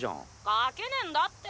書けねぇんだって。